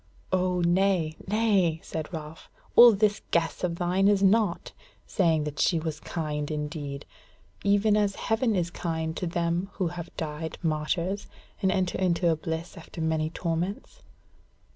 "O nay, nay!" said Ralph, "all this guess of thine is naught, saying that she was kind indeed. Even as heaven is kind to them who have died martyrs, and enter into its bliss after many torments."